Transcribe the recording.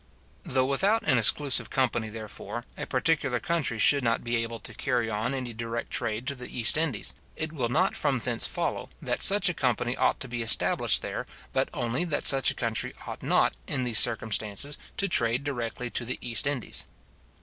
Though without an exclusive company, therefore, a particular country should not be able to carry on any direct trade to the East Indies, it will not from thence follow, that such a company ought to be established there, but only that such a country ought not, in these circumstances, to trade directly to the East Indies.